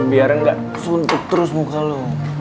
biar gak suntuk terus muka lo